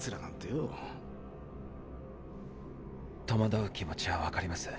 戸惑う気持ちは分かります。